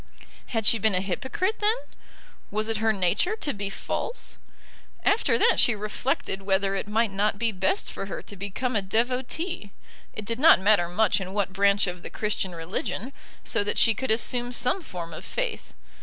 Had she been a hypocrite then? Was it her nature to be false? After that she reflected whether it might not be best for her to become a devotee, it did not matter much in what branch of the Christian religion, so that she could assume some form of faith.